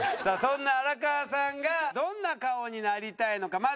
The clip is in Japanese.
さあそんな荒川さんがどんな顔になりたいのか？